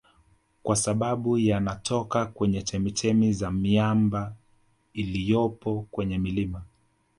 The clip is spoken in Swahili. Kwa sababu yanatoka kwenye chemichemi za miamba iliyopo kwenye milima